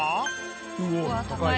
うわっ高い。